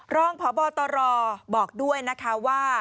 รองพบตรบอกด้วยนะคะว่า